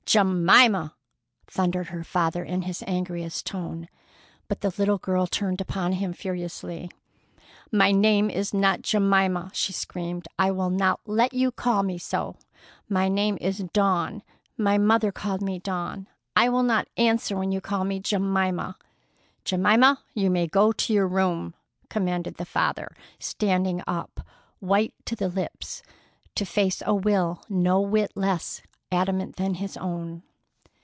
"Jemima!" thundered her father in his angriest tone. But the little girl turned upon him furiously. "My name is not Jemima!" she screamed. "I will not let you call me so. My name is Dawn. My mother called me Dawn. I will not answer when you call me Jemima." "Jemima, you may go to your room!" commanded the father, standing up, white to the lips, to face a will no whit less adamant than his own.